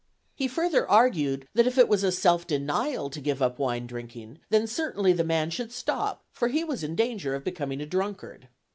He further argued that if it was a self denial to give up wine drinking, then certainly the man should stop, for he was in danger of becoming a drunkard.